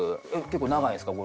結構長いんですか？